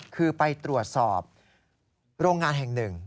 คือไปตรวจสอบโรงงานแห่งหนึ่ง